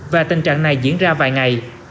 và tình trạng này diễn ra vài ngày